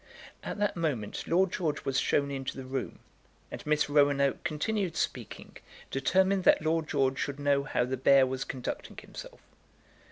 At that moment Lord George was shown into the room, and Miss Roanoke continued speaking, determined that Lord George should know how the bear was conducting himself.